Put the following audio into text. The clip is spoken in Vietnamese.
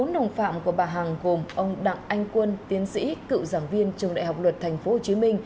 bốn đồng phạm của bà hằng gồm ông đặng anh quân tiến sĩ cựu giảng viên trường đại học luật tp hcm